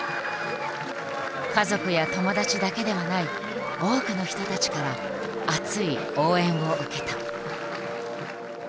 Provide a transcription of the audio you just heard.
家族や友達だけではない多くの人たちから熱い応援を受けた。